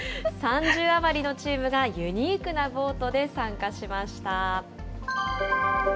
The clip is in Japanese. ３０余りのチームがユニークなボートで参加しました。